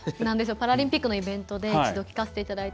パラリンピックのイベントで、一度聴かせていただいて。